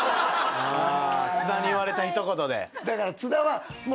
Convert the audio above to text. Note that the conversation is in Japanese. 津田に言われた一言で。